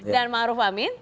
dan ma'ruf amin